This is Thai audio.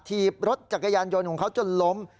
ถีบรถจักรยานยนต์ของเขาจนล้ม